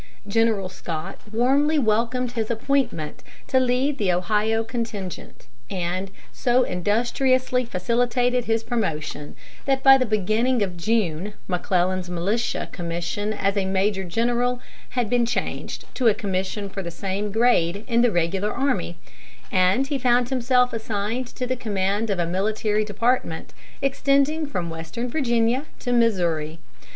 General Scott warmly welcomed his appointment to lead the Ohio contingent, and so industriously facilitated his promotion that by the beginning of June McClellan's militia commission as major general had been changed to a commission for the same grade in the regular army, and he found himself assigned to the command of a military department extending from Western Virginia to Missouri.